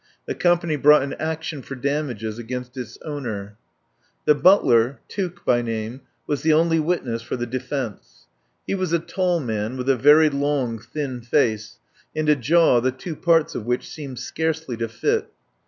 The company brought an action for damages against its owner. The butler, Tuke, by name, was the only witness for the defence. He was a tall man, with a very long, thin face, and a jaw the two parts of which seemed scarcely to fit.